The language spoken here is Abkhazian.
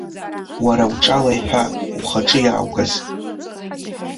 Уара уҿала иҳәа ухаҿы иааугаз.